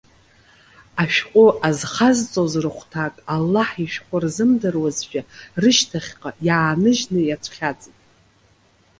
Ашәҟәы азхазҵоз рыхәҭак, Аллаҳ ишәҟәы рзымдыруазшәа, рышьҭахьҟа иааныжьны иацәхьаҵит.